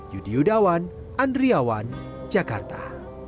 yudi udawan andriawan jakarta